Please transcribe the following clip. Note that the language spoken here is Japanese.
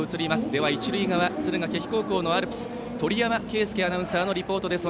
では、一塁側敦賀気比高校のアルプス鳥山圭輔アナウンサーのリポートです。